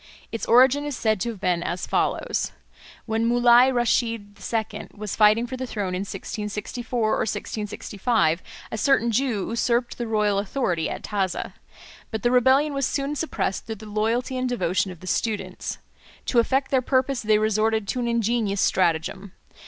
Its origin is said to have been as follows. When Mulai Rasheed II. was fighting for the throne in 1664 or 1665, a certain Jew usurped the royal authority at Taza. But the rebellion was soon suppressed through the loyalty and devotion of the students. To effect their purpose they resorted to an ingenious stratagem.